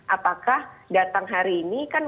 apakah datang hari ini kan